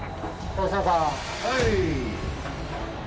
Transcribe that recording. はい。